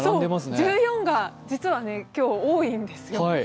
１４が今日は多いんですよ。